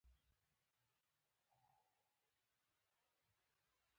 له هغه څخه یې عاجلې مرستې غوښتنه وکړه.